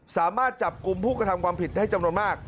สามารถจับกลุ่มผู้กระทำความผิดได้จำนวนมาก